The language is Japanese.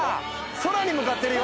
空に向かってるよ。